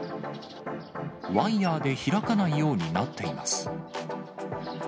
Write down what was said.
ワイヤーで開かないようになっています。